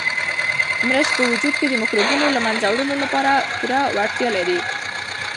مرچ په وجود کې د مکروبونو د له منځه وړلو لپاره پوره وړتیا لري.